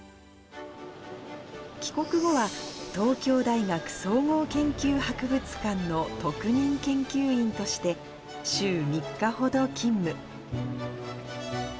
帰国後は、東京大学総合研究博物館の特任研究員として、週３日ほど勤務。